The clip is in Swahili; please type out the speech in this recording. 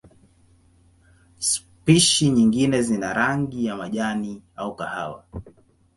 Spishi nyingine zina rangi ya majani au kahawa.